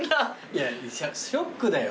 いやショックだよ。